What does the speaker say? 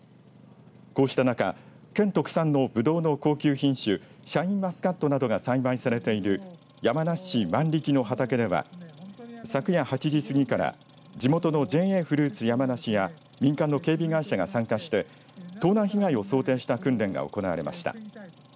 こうした中県特産のぶどうの高級品種シャインマスカットなどが栽培されている山梨市万力の畑では昨夜８時過ぎから地元のＪＡフルーツ山梨や民間の警備会社が参加して盗難被害を想定した訓練が行われました。